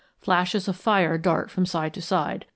Flashes of fire dart from side to side.